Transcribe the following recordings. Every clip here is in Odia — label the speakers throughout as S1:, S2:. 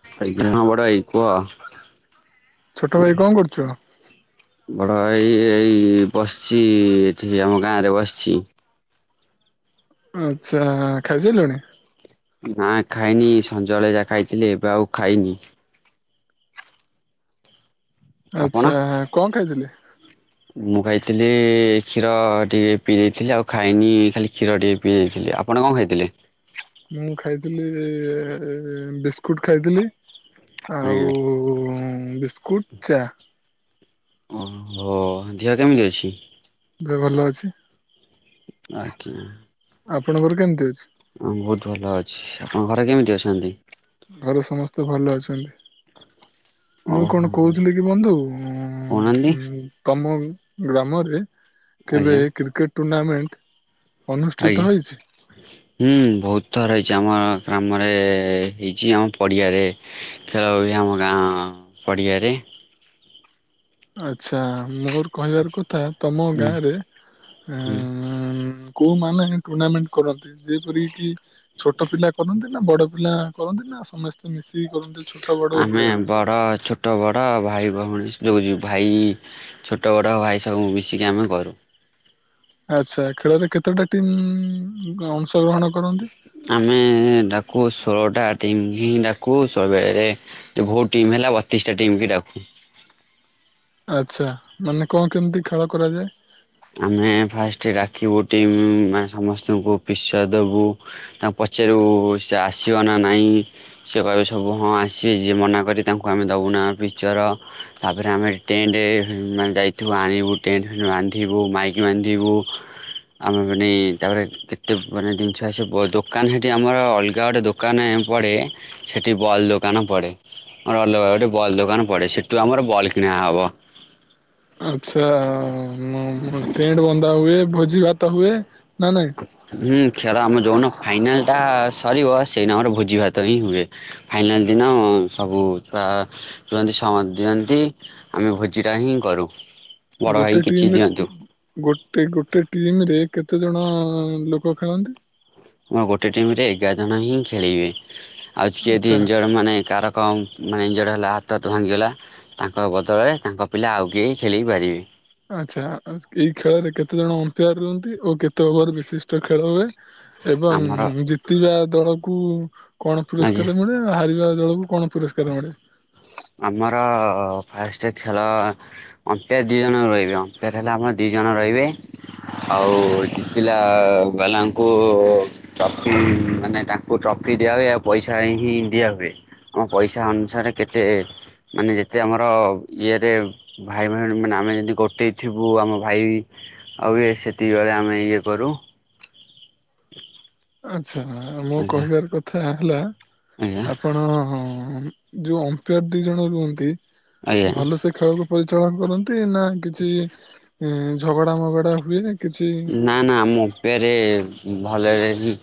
S1: [unintelligible] ବଡ଼ ଭାଇ କୁହ।
S2: ଛୋଟ ଭାଇ କଣ କରୁଚ?
S1: ବଡ ଏଇ ଏଇ ବସିଛି ଏଠି ଆମ ଗାଁ ରେ ବସିଛି।
S2: ଆଚ୍ଛା ଖାଇସାଇଲୁଣିି?
S1: ନା ଖାଇନି ସଞବେଳେ ଯାହା ଖାଇଥିଲେ ଏବେ ଆଉ ଖାଇନି। ଆପଣ?
S2: ଆଚ୍ଛା କଣ ଖାଇଥିଲେ?
S1: ମୁଁ ଖାଇ ଥିଲି କ୍ଷୀର ଟିକେ ପିଇଥିଲି ଆଉ ଖାଇନି ଖାଲି କ୍ଷୀର ଟିକେ ପିଇ ଦେଇଥିଲି। ଆପଣ କଣ ଖାଇଥିଲେ? [unintelligible]
S2: ମୁଁ ଖାଇଥିଲି ବିସ୍ ବିସ୍କୁଟ୍ ଖାଇଥିଲି। ଆଉ ବିସ୍କୁଟ ଚା।
S1: ଓହୋ, ଦେହ କେମିତି ଅଛି?
S2: ଏବେ ଭଲ ଅଛି।
S1: ଆଜ୍ଞା।
S2: ଆପଣଙ୍କର କେମିତି ଅଛି?
S1: ମୁଁ ବହୁତ ଭଲ ଅଛି। ତମ ଘରେ କେମିତି ଅଛନ୍ତି?
S2: ଘରେ ସମସ୍ତେ ଭଲ ଅଛନ୍ତି। ମୁଁ
S1: ଓହୋ
S2: କଣ କହୁଥିଲି କି ବନ୍ଧୁ ତମ
S1: କହୁନାହାନ୍ତି
S2: ଉଁ ତମ ଗ୍ରାମରେ କେବେ
S1: ଆଜ୍ଞା
S2: କ୍ରିକେଟ ଟୁର୍ଣ୍ଣାମେଣ୍ଟ ଅନୁଷ୍ଠିତ
S1: ଆଜ୍ଞା,
S2: ହେଇଛି?
S1: ହୁଁ ବହୁତ ଥର ହେଇଛି। ଆମର ଗ୍ରାମରେ ହେଇଛି, ଆମ ପଡ଼ିଆରେ ଖେଳ ବି ଆମ ଗାଁ ପଡ଼ିଆରେ
S2: ଆଛା, ମୋର କହିବାର କଥା, ତମ
S1: ଉଁ
S2: ଗାଁରେ ଏଁ
S1: ହୁଁ
S2: ଏଁ ଏଁ କୋଉ ମାନେ ହିଁ ଟୁର୍ଣ୍ଣାମେଣ୍ଟ କରନ୍ତି। ଯେପରି କିି ଛୋଟ ପିଲା କରନ୍ତି, ନା ବଡ ପିଲା କରନ୍ତି, ନା ସମସ୍ତେ ମିଶି
S1: ଆମେ ବଡ ଛୋଟ ବଡ ଭାଇ ଭଉଣୀ ଯଉ ଯଉ ଭାଇ ଛୋଟ ବଡ ଭାଇ ସବୁ ମିଶିକି ଆମେ କରୁ।
S2: ଆଚ୍ଛା ଖେଳରେ କେତେଟା ଟିମ୍-ଇ-ଇମ୍ ଅଂଶଗ୍ରହଣ କରନ୍ତି?
S1: କଉ ଷୋହଳଟା ଟିମ୍ ହିଁ ଡାକୁ। ସବୁ ବେଳେ ବହୁ ଟିମ୍ ହେଲା ବତିଶ ଟା ଟିମ୍ କି ଡାକୁ।
S2: ଆଛା, ମାନେ କଣ କେମିତି ଖେଳ କରାଯାଏ?
S1: ଆମେ ଫାଷ୍ଟ ରାଖିବୁଟିମ୍ ମାନେ ସମସ୍ତଙ୍କୁ ପିସୟ ଦବୁ ତାଙ୍କୁ ପ ଚେରୁ ସେ ଆସିବ ନା ନାହିଁ? ସେ କହିବେ ସବୁ ହଁ ଆସିବେ। ଯିଏ ମନା କରି ତାଙ୍କୁ ଆମେ ଦବୁନା ପିକ୍ଚର ତାପରେ, ଆମେ ଟେଣ୍ଟ ଏର ମାନେ ଯାଇଥିବୁ ଆଣିବୁ, ଟେଣ୍ଟ ଫେଣ୍ଟ ବାନ୍ଧିବୁ, ମାଇକ୍ ବାନ୍ଧିବୁ। ଆମେ ମାନେ, ତାପରେ କେତେ ମାନେ ଦିନଷ ଆସି ଦୋକାନ ହେଠି ଆମର, ଅଲଗା ଗୋଟେ ଦୋକାନ ପଡ଼େ, ସେଠି ବଲ୍ ଦୋକାନ ପଡ଼େ। ଅଲଗା ଗୋଟେ ବଲ୍ ଦୋକାନ ପଡ଼େ। ସେଠୁ ଆମର ବଲ୍ କିଣା ହବ।
S2: ଆଚ୍ଛା-ଆ-ଆ-ମ ଟେଣ୍ଟ ବନ୍ଧା ହୁଏ, ଭୋଜି ଭାତ ହୁଏ। ନା ନାଇଁ
S1: ହୁଁ, ଖେଳ ଆମ ଯୋନ ଫାଇନାଲଟା ସ ସରିବ, ସେଇନ ଆମର ଭୋଜି ଭାତ ହିଁ ହୁଏ। ଫାଇନାଲ୍ ଦିନ ସବୁ ଛୁଆ ରୁହନ୍ତି, ସ- ମଧ୍ୟନ୍ତି ଆମେ ଭୋଜିଟା ହିଁ କରୁ। ବଡ଼ ଭାଇ
S2: ଗୋଟେ
S1: କିଛି
S2: ଟିମ୍
S1: ଦିଅନ୍ତୁ।
S2: ଗୋଟେ ଗୋଟେ ଟିମ୍ ରେ କେତେ ଜଣ ଲୋକ ଖେଳନ୍ତି?
S1: ଅଁ ଗୋଟେ ଟିମ୍ ରେ ଏଗାର ଜଣ ହିଁ ଖେଳିବେ। ଆଜ୍ କେ ଦି
S2: ଆଚ୍ଛା
S1: ଇନ୍ଜର ମାନେ ଏକାରକମ ମାନେ ଇଞ୍ଜର ହେଲା ହାତ ତ ଭାଙ୍ଗିଗଲା। ତାଙ୍କ ବଦଳରେ ତାଙ୍କ ପିଲା ଆଉ କେହି ଖେଳି ପାରିବେ।
S2: ଆଚ୍ଛା, ଏଇ ଖେଳରେ କେତେ ଜଣ ଅମ୍ପେୟାର ରୁହନ୍ତି ଓ କେତେ ଓଭର ବିଶିଷ୍ଟ ଖେଳ ହୁଏ? ଏବଂ
S1: ଆମର
S2: ଜିତିବା ଦଳକୁ କଣ
S1: ଆଜ୍ଞା
S2: ପୁରସ୍କାର ମିଳେ? ହାରିବା ଦଳକୁ କଣ ପୁରସ୍କାର ମିଳେ?
S1: ଆମର ଫାଷ୍ଟ ଖେଳ ଅମ୍ପେୟାର ଦି ଜଣ ରହିବେ। ଅମ୍ପୋର ହେଲା ଆମର ଦି ଦି ଜଣ ରହିବେ। ଆଉ ଜିତିଲା ବାଲାଙ୍କୁ ଟ୍ରଫି ମାନେ ତାଙ୍କୁ ଟ୍ରଫ୍ ଦିଆ ହୁଏ ଆଉ ପଇସା ହିଁ ଦିଆ ହୁଏ। ଆମ ପଇସା ଅନୁସାରେ କେତେ ମାନେ ଯେତେ ଆମର ଇଏରେ ଭାଇ ଭଉଣୀ ମାନେ, ଆମେ ଯଦି ଗୋଟେ ଥିବୁ, ଆମ ଭାଇ ଆଉ ଏ ସେତିକିବଳେ ଆମେ ଇଏ କରୁ।
S2: ଆଚ୍ଛା ମୋ
S1: ଆଜ୍ଞା
S2: କହିବାର କଥା ହେଲା,
S1: ଆଜ୍ଞା
S2: ଆପଣ-ଅ-ଅ ଯୋଉଁ ଅମ୍ପେୟାର ଦି ଜଣ ରୁହନ୍ତି,
S1: ଆଜ୍ଞା।
S2: ଭଲ ସେ ଖେଳକୁ ପରିଚାଳନା କରନ୍ ନ୍ତି, ନା କିଛି ଇଁ ଝଗଡା ମଗଡା ହୁଏ। କିଛି
S1: ନା ନା ଆମ ଓମ୍ ପେରେ ଭଲରେ ହିଁ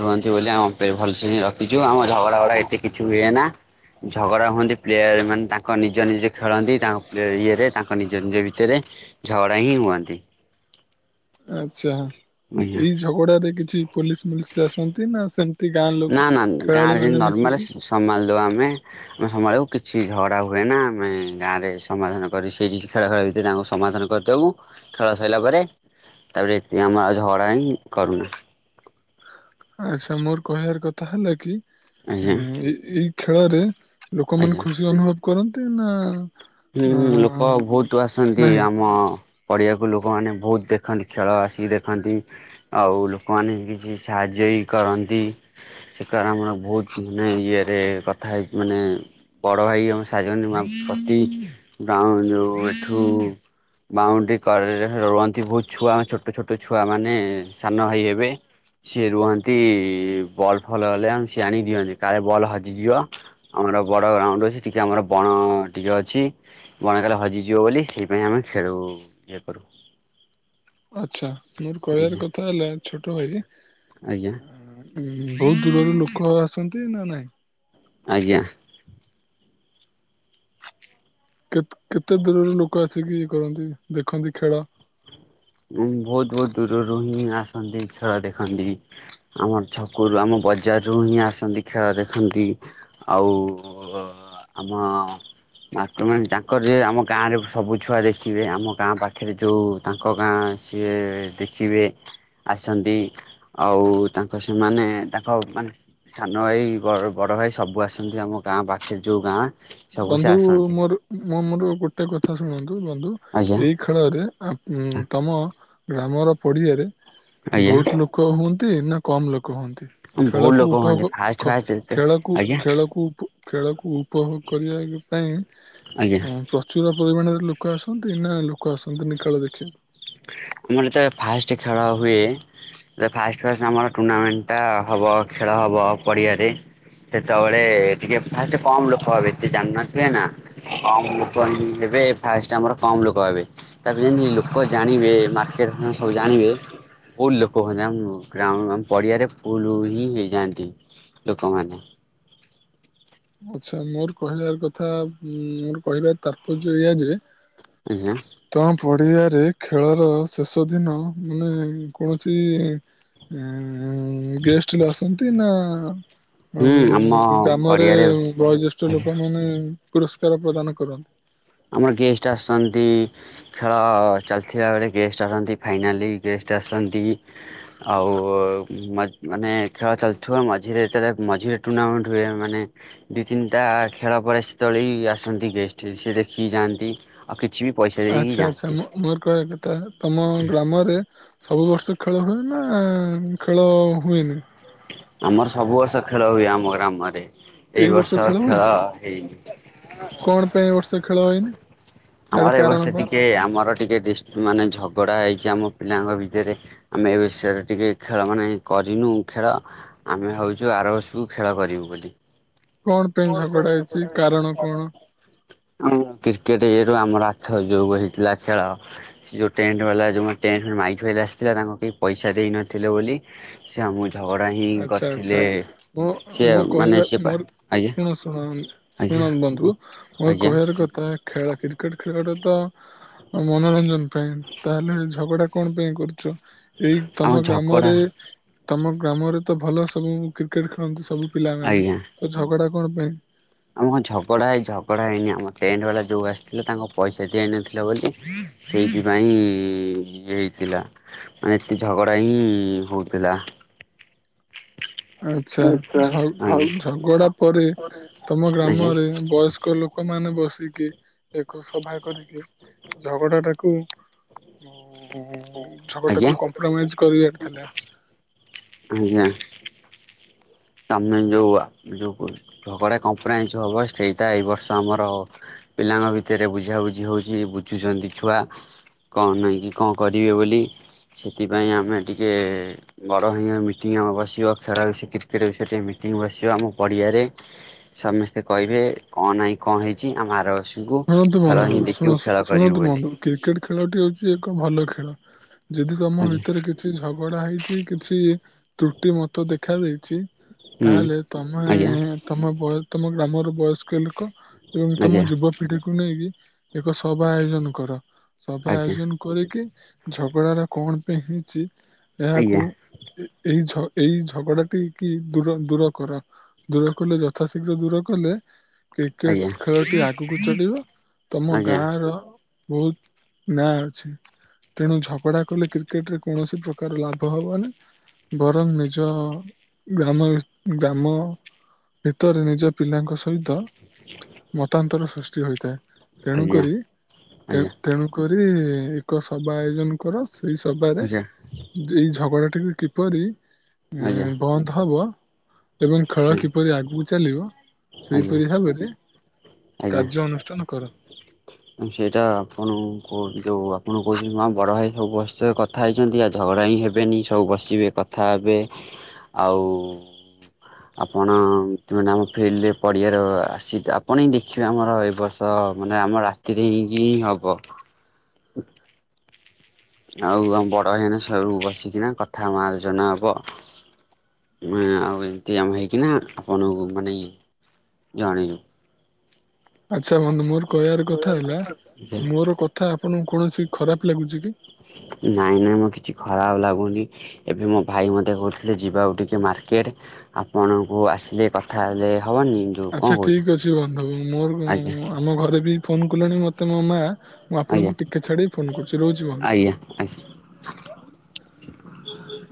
S1: ରୁହନ୍ତି, ବୋଲି ଆମେ ଭଲସେ ହିଁ ରଖିଛୁ। ଆମ ଝଗଡା ଭଗଡା ଏତେ କିଛି ହୁଏନା। ଝଗଡା ହୁଅନ୍ତି ପ୍ଲେୟାର ମାନେ, ତାଙ୍କ ନିଜ ନିଜେ ଖେଳନ୍ତି। ତାଙ୍କ ଇଏରେ ତାଙ୍କ ନିଜ ନିଜ ଭିତରେ। ଝଗଡା ହିଁ ହୁଅନ୍ତି।
S2: ଆଛା,
S1: ଆଜ୍ଞା
S2: ଏଇ ଝଗଡାରେ କିଛି ପୋଲିସ ମୋଲିସ ଆସନ୍ତି ନା ସେମ
S1: ନା ନା ନା ଗାଁରେ ଯିଁନ ନର୍ମାଲ ସମାଲଦଉ ଆମେ। ଆମେ ସମ୍ଭାଳୁ କିଛି ଝଡା ହୁଏ ନା, ଆମେ ଗାଁରେ ସମାଧାନ କରି ସେଇଠି ଖେଳ ଖେଳ ଭିତରେ ତାଙ୍କୁ ସମା ଧାନ କରିଦବୁ ଖେଳ ସଇଲା ପରେ। ତାପରେ ଏତି ଆମର ଝଗଡ଼ା ହିଁ କରୁନା।
S2: ଆଛା ମୋର କହିବାର କଥା ହେଲା କି!
S1: ଆଜ୍ଞା
S2: ଏଇ ଏଇ ଖେଳରେ ଲୋକମାନେ
S1: ଆଜ୍ଞା।
S2: ଖୁସି ଅନୁଭବ କରନ୍ତି? ନା
S1: ହୁଁ ହୁଁ ଲୋକ
S2: ଅଁ
S1: ବହୁତ ଆସନ୍ତି,
S2: ନାହିଁ
S1: ଆମ ପଡିଆକୁ ଲୋକମାନେ ବହୁତ ଦେଖନ୍ତି ଖେଳ ଆସିକି ଦେଖନ୍ତି। ଆଉ ଲୋକମାନେ କିଛି ସାହାଯ୍ୟ ବି କରନ୍ତି। ସେ କାର ଆମର ବହୁତ ମାନେ ଇଏରେ କଥା ହେଇକି ମାନେ ବଡ ଭାଇ ଆମ ସା [unintelligible] ପ୍ରତି ଗାଁ ଯୋଉ ଏଠୁ ବାଉଣ୍ଡି କରେ ରୁହନ୍ତି ବହୁତ ଛୁଆ ଛୋଟ ଛୋଟ ଛୁଆ ମାନେ ସାନ ଭାଇ ହେବେ। ସିଏ ରୁହନ୍ତି ବଲ୍ ଫଲ ହେଲେ ଆନ ସିଏ ଆଣି ଦିଅନ୍ତି କାଳେ ବଲ୍ ହଜିଯିବ। ଆମ ଆମର ବଡ଼ ଗ୍ରାଉଣ୍ଡ ଅଛି, ଟିକେ ଆମର ବଣ ଟିକେ ଅଛି। ବଣରେ କାଳେ ହଜିଯିବ ବୋଲି ସେଥିପାଇଁ ଆମେ ଖେଳୁ ଇଏ କରୁ।
S2: ଆଚ୍ଛା ମୋର କହିବାର
S1: ଆଜ୍ଞା
S2: କଥା ହେଲା ଛୋଟ ଭାଇ
S1: ଆଜ୍ଞା
S2: ଉଁ ବହୁତ ଦୂରରୁ ଲୋକ ଆସନ୍ତି ନା ନାଇଁ।
S1: ଆଜ୍ଞା।
S2: କେତ କେତେ ଦୂରରୁ ଲୋକ ଆସିକି ଇଏ କରନ୍ତି ଦେଖନ୍ତି ଖେଳ?
S1: ଉ ବହୁତ ବହୁତ ଦୂରରୁ ହିଁ ଆସନ୍ତି ଖେଳ ଦେଖନ୍ତି, ଆମର ଛକରୁ ଆମ ବଜାରରୁ ହିଁ ଆସନ୍ତି ଖେଳ ଦେଖନ୍ତି। ଆଉ ଆମ [unintelligible] ମେଣ୍ଟ ମାନେ ତାଙ୍କର ଯେ ଆମ ଗାଁ ରେ ସବୁ ଛୁଆ ଦେଖିବେ ଆମ ଗାଁ ପାଖେରେ ଯୋଉ ତା ତାଙ୍କ ଗାଁ ସିଏ ଦେଖିବେ ଆସନ୍ତି ଆଉ ତାଙ୍କ ସେମାନେ ତାଙ୍କ ମାନେ ସାନ ଭାଇ ବ ବଡ଼ ଭାଇ ସବୁ ଆସନ୍ତି ଆମ ଗାଁ ପାଖେରେ ଯୋଉ ଗାଁ। ସବୁ ସେ
S2: ବନ୍ଧୁ
S1: ଆସନ୍ତି
S2: ମୋର ମୋ ମୋର ଗୋଟେ କଥା ଶୁଣନ୍ତୁ। ବନ୍ଧୁ!
S1: ଆଜ୍ଞା
S2: ଏଇ ଖେଳରେ ତମ ଗ୍ରାମର ପଡ଼ିଆରେ
S1: ଆଜ୍ଞା
S2: ବହୁତ ଲୋକ ହୁଅନ୍ତି ନା କମ୍ ଲୋକ? କୁହନ୍ତି
S1: ବହୁତ
S2: ଖେଳକୁ
S1: ଲୋକ ହୁଅନ୍ତି
S2: ଉପୋଗ
S1: ଫାଷ୍ଟ ଫାଷ୍ଟ
S2: ଖେଳକୁ
S1: ଆଜ୍ଞା
S2: ଖେଳକୁ ଖେଳକୁ ଉପଭୋଗ କରିବା
S1: ଆଜ୍ଞା
S2: ପାଇଁ ପ୍ରଚୁର ପରିମାଣରେ ଲୋ କ ଆସନ୍ତୁ ଏଇନା ଲୋକ ଆସନ୍ତନି ଖେଳ ଦେଖିଆକୁ।
S1: ଆମର ଯେତେବେଳେ ଫାଷ୍ଟ ଖେଳ ହୁଏ, ଫାଷ୍ଟ ଫାଷ୍ଟ ଆମର ଟୁର୍ଣ୍ଣାମେଣ୍ଟଟା ହବ। ଖେଳ ହବ ପଡିଆରେ ସେତେବଳେ ଟିକେ ଫାଷ୍ଟ କମ ଲୋକ ହେବେ, ଏତେ ଜାଣି ନଥିବେ ନା କମ୍ ଲୋକ ହେ ବେ ଫାଷ୍ଟ ଆମର କମ୍ ଲୋକ ହେବେ ତାପରେ ଯେମତି ଲୋକ ଜାଣ ଣିବେ ମାର୍କେଟରୁ ସବୁ ଜାଣିବେ। ବହୁତ ଲୋକ ହୁଅନ୍ତି ଆମ ଗ୍ରାଉଣ୍ଡ ଆମ ପଡିଆରେ ଫୁଲ୍ ହିଁ ହେଇଯାଆନ୍ତି। ଲୋକମାନେ।
S2: ଆଛା ମୋର କହିବାର କଥା ଉଁ ମୋର କହିବାର ତାତ୍ପର୍ଯ୍ୟ ଏଇଆ ଯେ
S1: ଆଜ୍ଞା।
S2: ପଡ଼ିଆରେ ଖେଳର ଶେଷ ଦିନ ମାନେ କୌଣସି ଇଁ ଗେଷ୍ଟରେ ଆସନ୍ତି ନା ଉଁ
S1: ହୁଁ ଆମ
S2: ଗ୍ରାମରେ
S1: ପଡ଼ିଆରେ
S2: ବୟୋଜ୍ୟେଷ୍ଠ ଲୋକମାନେ ପୁରସ୍କାର ପ୍ରଦାନ କରନ୍ତି।
S1: ଆମର ଗେଷ୍ଟ ଆସନ୍ତି ଖେଳ ଚାଲିଥିଲା ବେଳେ ଗେଷ୍ଟ ଆସନ୍ତି, ଫାଇନାଲି ଗେଷ୍ଟ ଆସନ୍ତି ଆଉ ମା ମାନେ ଖେଳ ଚାଲୁଥିବ ମଝିରେ ଯେତେବେଳେ ମଝି ସେ ଟୁର୍ଣ୍ଣାମେଣ୍ଟ ହୁଏ ମାନେ ଦି ତିନଟା ଖେଳ ପରେ ସେତେବେଳେ ବି ଆସନ୍ତି ଗେଷ୍ଟ [unintelligible] ସି ଯାଆନ୍ତି ଆଉ କି
S2: ଆଚ୍ଛା ଆଚ୍ଛା ମୋ ମୋର କହିବା କଥା ତମ ଗ୍ରାମରେ ସବୁ ବର୍ଷ ଖେଳ ହୁଏ। ନା ଖେଳ ହୁଏନି।
S1: ଆମର ସବୁ ବର୍ଷ ଖେଳ ହୁଏ, ଆମ ଗ୍ରାମରେ। ଏଇ ବର୍ଷ ଖେଳ ହେଇନି।
S2: କଣ ପାଇଁ ଏ ବର୍ଷ ଖେଳ ହେଇନି ଏହାର
S1: ଆମର ଏ
S2: କାରଣ
S1: ବର୍ଷ
S2: କଣ
S1: ଟିକେ ଆମର ଟିକେ ଡିଷ୍ଟ ମାନେ ଝଗଡା ହେଇଚି ଆମ ପିଲାଙ୍କ ଭିତେରେ। ଆମେ ଏ ବିଷୟରେ ଟିକେ ଖେଳ ମାନେ କରିନୁ ଖେଳ, ଆମେ ହଉଛୁ ଭାବୁଚୁ ଖେଳ କରିବୁ ବୋଲି।
S2: କଣ ପାଇଁ ଝଗଡା ହେଇଛି କାରଣ କଣ?
S1: ହଁ କ୍ରିକେଟ ଇଠୁ ଆମର ଆଛ, ଯୋଉ ହେଇଥିଲା ଖେଳ ଯୋଉ ଟେଣ୍ଟ ବା ଯଉ ମାଇକ ଭାଇଲ ଆସିଥିଲା, ତାଙ୍କୁ କେହି ପଇସା ଦେଇନଥିଲେ ବୋଲି ସେ ଆମ ଝଗଡା ହିଁ
S2: ଆଚ୍ଛା ଆଚ୍ଛା
S1: ଗଥିଲେ
S2: ମୁଁ
S1: ସେ
S2: ମୁଁ
S1: ମାନେ
S2: କହିବା
S1: ସେ ପା
S2: ମୋର
S1: ଆଜ୍ଞା
S2: ଶୁଣ ଶୁଣ
S1: ଆଜ୍ଞା
S2: ଶୁଣନ୍ତ ବନ୍ଧୁ ମୋର
S1: ଆଜ୍ଞା
S2: କହିବାର କଥା ଖେଳ କ୍ରିକେଟେ ଟ ତ ମନୋରଞ୍ଜନ ପାଇଁ ତାହେଲେ ଝଗଡା କଣ ପାଇଁ କରୁ ଏଇ
S1: ଆମ
S2: ତମ
S1: ଝଗଡ଼ା
S2: ଗ୍ରାମରେ ତମ ଗ୍ରାମରେ ତ ଭଲ ସବୁ କ୍ରିକେଟ ଖେଳନ୍ତି, ସବୁ ପିଲାମାନେ
S1: ଆଜ୍ଞା।
S2: ତ ଝଗଡା କଣ ପାଇଁ?
S1: ଆମ ଝଗଡା ହେଇ ଝଗଡା ହେଇନି ଆମ ଟେଟ ବା ଯୋଉ ଆସିଥିଲେ, ତାଙ୍କୁ ପଇସା ଦିଆଇନଥିଲା ବୋଲି ସେଇଥିପାଇଁ ଇଏ ହେଇଥିଲା ମାନେ ଏତେ ଝଗଡା ହିଁ ହଉଥିଲା।
S2: ଆଛା,
S1: ଆଜ୍ଞା
S2: ଝଗଡା ପରେ ତମ
S1: ଆଜ୍ଞା
S2: ଗ୍ରାମରେ ବୟସ୍କ ଲୋକମାନେ ମାନେ ବସିକି ଏକକୁ ସଫା କରିକି ଝଗଡ଼ା ଟାକୁ ଉ ହ
S1: ଆଜ୍ଞା
S2: ଝଗଟାକୁ କମ୍ପ୍ରମାଇଜ କରିବାରିଥିଲା।
S1: ଆଜ୍ଞା। ଚମ ଯେଉ ଯେଉ ଝଗଡ଼ା କମ୍ପ୍ରାଇ ଯେ ହବ ସେଇଟା ଏଇ ବର୍ଷ ଆମର ପିଲାଙ୍କ ଭିତରେ ବୁଝାବୁଝି, ହଉଛି ବୁଝୁଛନ୍ତି ଛୁଆ କଣ ନହିଁ କିି କଣ କରିବେ ବୋଲି, ସେଥିପାଇଁ ଆମେ ଟିକେ ବଡ଼ ହଇ ମିଟିଂ ବସିବ ଖେ ସେଟ ସେଠି ମିଟିଂ ବସିବ ଆମ ପଡ଼ିଆରେ, ସମସ୍ତେ କହିବେ କଣ ନାହିଁ କଣ ହେଇଛି ଆମ ଆର ବର୍ଷକୁ
S2: ଶୁଣନ୍ତୁ
S1: ଖେଳ
S2: ବନ୍ଧୁ
S1: ହିଁ ଦେଖିବୁ
S2: ଶ
S1: ଖେଳ କରିବୁ
S2: ଶୁଣନ୍ତୁ
S1: ବୋଲି
S2: ବନ୍ଧୁ କ୍ରିକେଟ ଖେଳ ଟି ହଉଛି ଏ ଏକ ଭଲ ଖେଳ ଯଦି ତମ
S1: ଆଜ୍ଞା
S2: ଭିତରେ କିଛି ଝଗଡା ହେଇଛି କିଛି ତ୍ରୁଟି ମତ ଦେଖା ଦେଇଛି
S1: ହୁଁ
S2: ତାହେଲେ ତମେ ତମ ତମ ଗ୍ରାମର ବୟସ୍କ ଲୋକ ଏବଂ ତମ
S1: ଆଜ୍ଞା
S2: ଯୁବପିଢିକୁ ନେଇକି ଏକ ସଭା ଆୟୋଜନ କର ସଭା
S1: ଆଜ୍ଞା
S2: ଆୟୋଜନ କରିକି ଝଗଡା ଟା କଣ ପାଇଁ ହେଇଛି ଏହାକୁ
S1: ଆଜ୍ଞା
S2: ଏଇ ଏଇ ଝଗଡାଟି କି ଦୂର ଦୂର କରାଅ ଦୂର କଲେ ଯଥାଶୀଘ୍ର ଦୂର କଲେ
S1: ଆଜ୍ଞା
S2: କ୍ରିକେଟ ଖେଳ ଟି ଆଗକୁ ଚଳିବ ତମ
S1: ଆଜ୍ଞା ଆଜ୍ଞା
S2: ଗାଁ ର ବହୁତ ନାଁ ଅଛି ତେଣୁ ଝଗଡା କଲେ କ୍ରିକେଟ ରେ କୌଣସି ପ୍ରକାର ଲାଭ ହବ ନା ବରଂ ନିଜ ଗ୍ରାମ ଗ୍ରାମ ଭିତରେ ନିଜ ପିଲାଙ୍କ ସହିତ ମତାନ୍ତର ସୃଷ୍ଟି ହୋଇଥାଏ ତେଣୁ
S1: ଆଜ୍ଞା
S2: କରି
S1: ଆଜ୍ଞା
S2: ତେଣୁକରି ଏକ ସଭା ଆୟୋଜନ କର ସେଇସବାରେ
S1: ଆଜ୍ଞା
S2: ଏଇ ଝଗଡ଼ାଟିକୁ କିପରି
S1: ଆଜ୍ଞା ଆଜ୍ଞା
S2: ବନ୍ଦ ହେବ ଏବଂ ଖେଳ
S1: ଆଜ୍ଞା
S2: କିପରି ଆଗକୁ ଚାଲିବ
S1: ଆଜ୍ଞା
S2: ସେଇପରି ଭାବରେ
S1: ଆଜ୍ଞା
S2: କାର୍ଯ୍ୟ ଅନୁଷ୍ଠାନ କର।
S1: ସେଇଟା ଆପଣଙ୍କୁ କ ଯୋଉ ଆପଣ କହୁଛନ୍ତି, ମା ବଡ ଭାଇ ସବୁ ବସି କଥା ହେଇଛନ୍ତି ଝଗଡା ଭାଇ ହେବେନି ସବୁ ବସିବେ କଥା ହେବେ ଆଉ ଆପଣ ମାନେ ଆମ ଫିଲ୍ଡରେ ପଢିଆର ଆସି, ଆପଣ ହିଁ ଦେଖିବେ ଆମର ଏ ବର୍ଷ ମାନେ ଆମ ରାତିରେ ହେଇକି ହି ହବ ଆଉ ଆମ ବଡ ଭାଇନା ସବୁ ବସିକିନା କଥା ଆମ ଆଲୋଚନା ହବ ଆଉ ଏମିତି ଆମ ହେଇକିନା ଆପଣଙ୍କୁ ମାନେ ଜଣେଇବୁ।
S2: ଆଚ୍ଛା ବନ୍ଧୁ ମୋର କହିବାର କଥା ହେଲା, ମୋର କଥା ଆପଣଙ୍କୁ କୌଣସି ଖରାପ ଲାଗୁଚି କି?
S1: ନାଇଁ ନାଇଁ ମୋ କିଛି ଖରାପ ଲାଗୁନି। ଏବେ ମୋ ଭାଇ ମୋତେ କହୁଥିଲେ ଯିବାକୁ ଟିକେ ମାର୍କେଟ, ଆପଣଙ୍କୁ କୁ ଆସିଲେ କଥା ହେଲେ। ହବନି ଯୋଉ କଣ
S2: ଆଚ୍ଛା
S1: କହୁଛୁ
S2: ଠିକ ଅଛି, ବନ୍ଧୁ ମୋର
S1: ଆଜ୍ଞା
S2: ଆମ ଘରେ ବି ଫୋନ କଲେଣି ମତେ ମୋ ମା ମୁଁ ଆପଣଙ୍କୁ
S1: ଆଜ୍ଞା
S2: ଟିକେ ଛାଡ ଫୋନ କରୁଛି ରହୁଛି
S1: ଆଜ୍ଞା ଆଜ୍ଞା।
S2: ବନ୍ଧୁ। [inaudible]